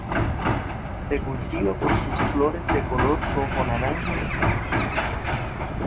Se cultiva por sus flores de color rojo-naranja intenso.